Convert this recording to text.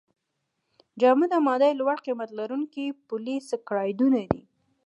جامد ماده یې لوړ قیمت لرونکي پولې سکرایډونه دي.